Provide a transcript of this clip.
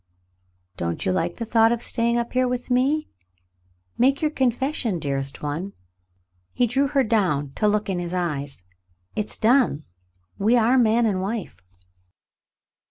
"Don't you like the thought of staying up here with me ? Make your confession, dearest one." He drew her down to look in his eyes. "It's done. We are man and wife."